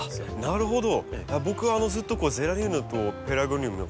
なるほど。